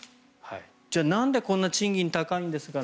じゃあ、なんでこんなに賃金が高いんですか。